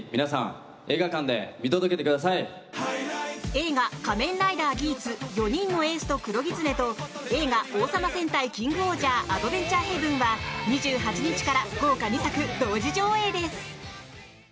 映画「仮面ライダーギーツ４人のエースと黒狐」と映画「王様戦隊キングオージャーアドベンチャー・ヘブン」は２８日から豪華２作同時上映です。